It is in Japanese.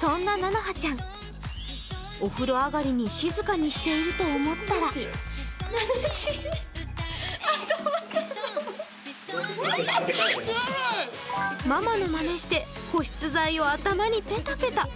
そんななのはちゃん、お風呂上がりに静かにしていると思ったらママのまねして保湿剤を頭にペタペタ。